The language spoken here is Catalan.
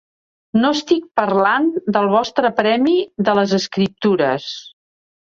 No estic parlant del vostre premi de les Escriptures.